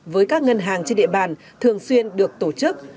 với các ngân hàng trên địa bàn thường xuyên được tổ chức